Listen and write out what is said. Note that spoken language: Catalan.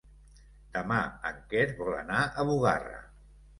Demà en Quer vol anar a Bugarra.